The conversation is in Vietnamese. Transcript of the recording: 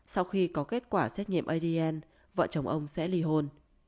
sau khi có kết quả xét nghiệm adn vợ chồng ông sẽ ly hôn